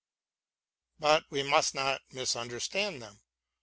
But we must not mis understand them.